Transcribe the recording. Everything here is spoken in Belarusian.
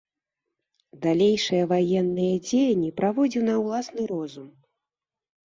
Далейшыя ваенныя дзеянні праводзіў на ўласны розум.